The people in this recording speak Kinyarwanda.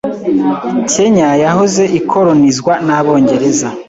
Kenya yahoze ikolonizwa n’abongereza.